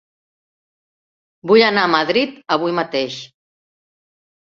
Vull anar a Madrid avui mateix.